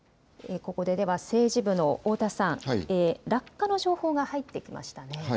ここで政治部の太田さん、落下の情報が入ってきましたね。